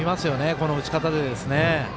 この打ち方で。